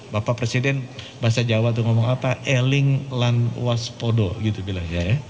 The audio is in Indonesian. bapak presiden bahasa jawa itu ngomong apa